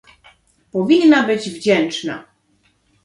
"Powinna być wdzięczna..."